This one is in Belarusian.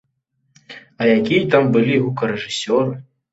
А якія там былі гукарэжысёры!